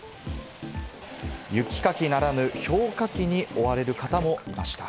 雪かきならぬ、ひょうかきに追われる方もいました。